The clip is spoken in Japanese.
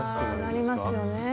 あなりますよね。